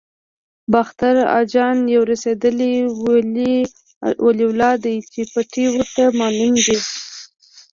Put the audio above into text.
باختر اجان یو رسېدلی ولي الله دی چې پټې ورته معلومې دي.